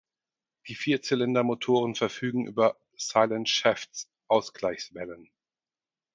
Die Vierzylindermotoren verfügen über „silent shafts“-Ausgleichswellen.